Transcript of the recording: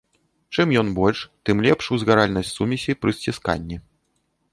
Чым ён больш, тым лепш узгаральнасць сумесі пры сцісканні.